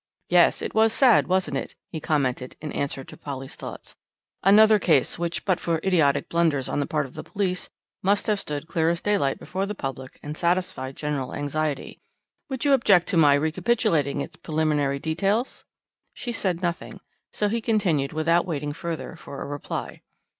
"Yes. It was sad, wasn't it?" he commented, in answer to Polly's thoughts. "Another case which but for idiotic blunders on the part of the police must have stood clear as daylight before the public and satisfied general anxiety. Would you object to my recapitulating its preliminary details?" She said nothing, so he continued without waiting further for a reply.